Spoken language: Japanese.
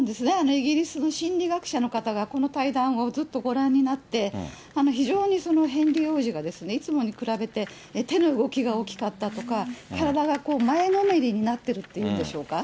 イギリスの心理学者の方が、この対談をずっとご覧になって、非常にヘンリー王子がいつもに比べて、手の動きが大きかったとか、体が前のめりになってるっていうんでしょうか。